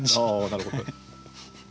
なるほど。